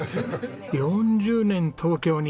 ４０年東京に！